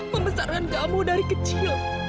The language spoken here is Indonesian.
membesarkan kamu dari kecil